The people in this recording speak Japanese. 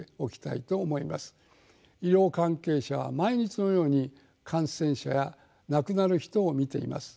医療関係者は毎日のように感染者や亡くなる人を見ています。